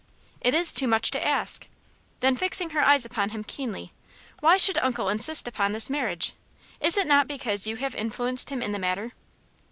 "It is too much to ask." Then, fixing her eyes upon him keenly: "Why should uncle insist upon this marriage? Is it not because you have influenced him in the matter?"